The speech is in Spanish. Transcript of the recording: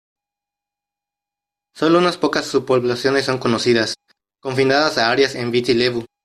Sólo unas pocas subpoblaciones son conocidas, confinadas a áreas en Viti Levu.